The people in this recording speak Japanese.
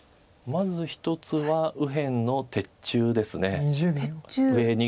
まず一つは右辺の鉄柱です。